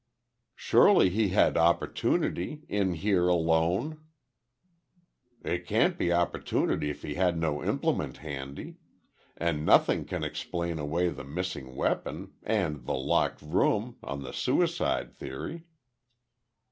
"Surely he had opportunity—in here alone." "It can't be opportunity if he had no implement handy. And nothing can explain away the missing weapon, and the locked room, on the suicide theory."